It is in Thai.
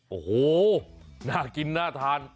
โอ้โหน่ากินน่าทาน